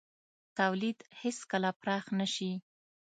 تولید هېڅکله پراخ نه شي.